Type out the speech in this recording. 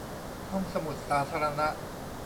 ห้องสมุดสาธารณะ